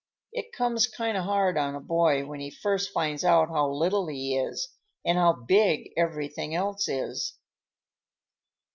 It comes kind of hard on a boy when he first finds out how little he is, and how big everything else is."